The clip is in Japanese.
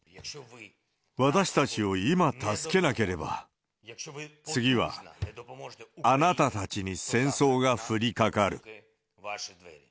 私たちを今助けなければ、次はあなたたちに戦争が降りかかる。